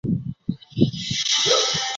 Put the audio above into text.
高茎紫堇为罂粟科紫堇属下的一个亚种。